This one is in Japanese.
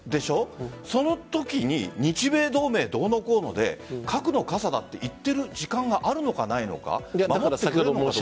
そのときに日米同盟どうのこうので核の傘だって言っている時間があるのかないのか守ってくれるのかどうか。